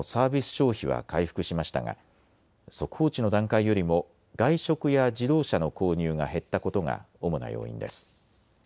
消費は回復しましたが、速報値の段階よりも外食や自動車の購入が減ったことが主な要因です。